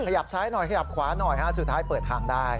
ขยับซ้ายหน่อยขยับขวาหน่อยฮะสุดท้ายเปิดทางได้